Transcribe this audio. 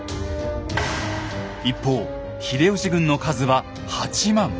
一方秀吉軍の数は８万。